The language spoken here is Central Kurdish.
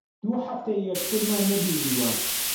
دوو هەفتەیە یەکترمان نەبینیوە.